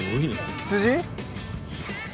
羊？